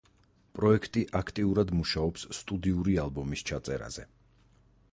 პროექტი აქტიურად მუშაობს სტუდიური ალბომის ჩაწერაზე.